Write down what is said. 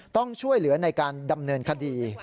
ต้องช่วยเหลือในการดำเนินคดี